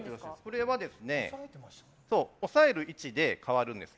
これは、押さえる位置で変わるんです。